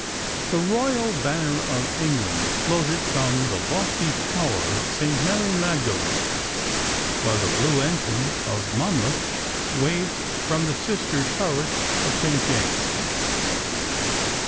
The royal banner of England floated from the lofty tower of St. Mary Magdalene, while the blue ensign of Monmouth waved from the sister turret of St. James.